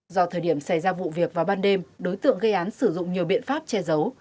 do thời điểm xảy ra vụ việc vào ban đêm đối tượng gây án sử dụng nhiều biện pháp che giấu